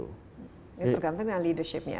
tergantung dengan leadershipnya